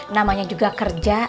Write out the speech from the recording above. namanya juga kerja